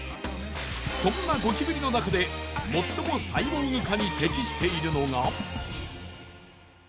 そんなゴキブリの中で最もサイボーグ化に適しているのが。